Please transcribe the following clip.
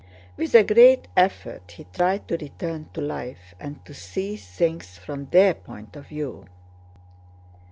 With a great effort he tried to return to life and to see things from their point of view.